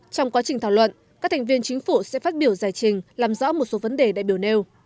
trong quá trình thảo luận các thành viên chính phủ sẽ phát biểu giải trình làm rõ một số vấn đề đại biểu nêu